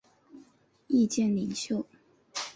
意见领袖。